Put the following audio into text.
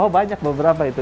oh banyak beberapa itu